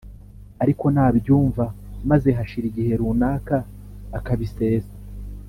Ariko nabyumva maze hashira igihe runaka akabisesa